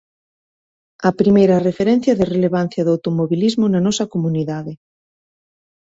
A primeira referencia de relevancia do automobilismo na nosa comunidade.